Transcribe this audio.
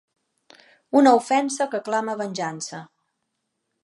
Una ofensa que clama venjança.